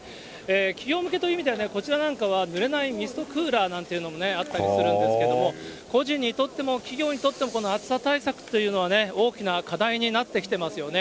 企業向けという意味では、こちらなんかは濡れないミストクーラーなんかもあったりするんですけども、個人にとっても企業にとっても、この暑さ対策というのはね、大きな課題になってきてますよね。